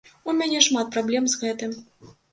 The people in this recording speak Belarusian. У мяне шмат праблем з гэтым.